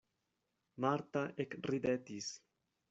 Marta ekridetis.